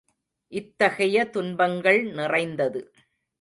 இத்தகைய துன்பங்கள் நிறைந்தது.